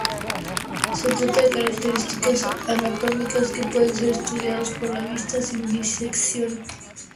Se trata de características anatómicas que pueden ser estudiados por la vista, sin disección.